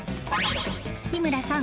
［日村さん。